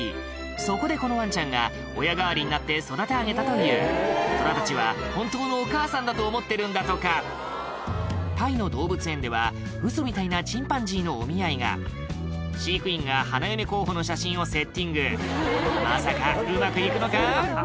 そこでこのワンちゃんが親代わりになって育て上げたというトラたちは本当のお母さんだと思ってるんだとかタイの動物園ではウソみたいなチンパンジーのお見合いが飼育員が花嫁候補の写真をセッティングまさかうまく行くのか？